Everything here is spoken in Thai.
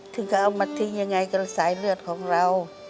ถึงก็เอามาทิ้งยังไงกับสายเลือดของเรา